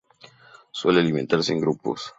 Suele alimentarse en grupos.